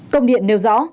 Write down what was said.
công điện nêu rõ